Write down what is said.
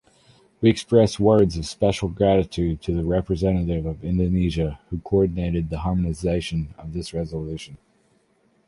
We express words of special gratitude to the representative of Indonesia who coordinated the harmonization of this resolution.